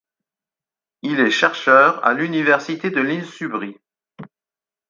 Il est chercheur à l’université de l'Insubrie.